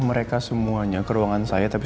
mereka semuanya ke ruangan saya tapi